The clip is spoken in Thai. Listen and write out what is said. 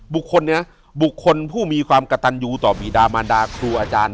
บุคคลนี้นะบุคคลผู้มีความกระตันยูต่อบีดามันดาครูอาจารย์